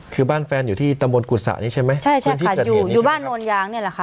คือบ้านแฟนอยู่ที่ตะโมนกุศานี่ใช่ไหมใช่ค่ะอยู่บ้านโนยางเนี่ยแหละค่ะ